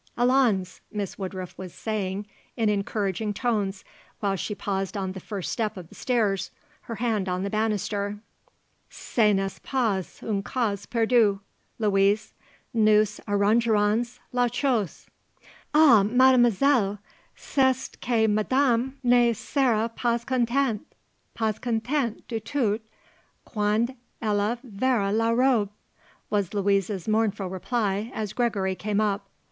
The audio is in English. "Allons," Miss Woodruff was saying in encouraging tones, while she paused on the first step of the stairs, her hand on the banister; "ce n'est pas une cause perdue, Louise; nous arrangerons la chose." "Ah, Mademoiselle, c'est que Madame ne sera pas contente, pas contente du tout quand elle verra la robe," was Louise's mournful reply as Gregory came up.